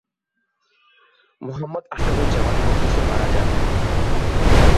মোহাম্মদ আসাদুজ্জামান অফিসে মারা যান।